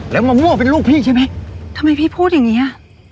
แล้วมะม่วงเป็นลูกพี่ใช่ไหมทำไมพี่พูดอย่างเงี้ย